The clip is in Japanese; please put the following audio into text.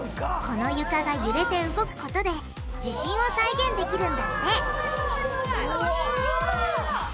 この床がゆれて動くことで地震を再現できるんだってうわっ！